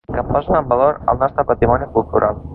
Que posen en valor el nostre patrimoni cultural.